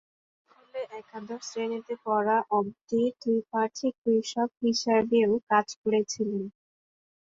স্কুলে একাদশ শ্রেণিতে পড়া অবধি ত্রিপাঠি কৃষক হিসাবেও কাজ করেছিলেন।